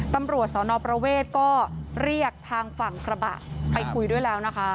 ตำรวจสนประเวทก็เรียกทางฝั่งกระบะไปคุยด้วยแล้วนะคะ